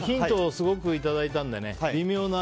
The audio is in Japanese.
すごくいただいたので微妙な。